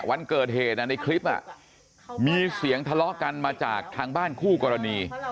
วันเกิดเหตุในคลิปมีเสียงทะเลาะกันมาจากทางบ้านคู่กรณี